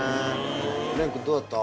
廉君どうだった？